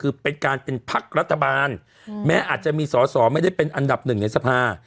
คือเป็นการเป็นพักรัฐบาลแม้อาจจะมีสอสอไม่ได้เป็นอันดับหนึ่งในสภา